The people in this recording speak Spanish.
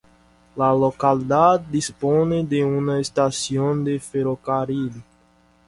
La localidad dispone de una estación de ferrocarril.